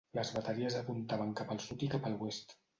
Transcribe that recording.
Les bateries apuntaven cap al sud i cap a l'oest.